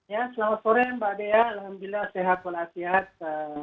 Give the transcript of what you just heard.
ya selamat sore mbak dea alhamdulillah sehat pola sihat